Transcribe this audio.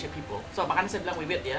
seumur hidup saya sangat menghargai orang orang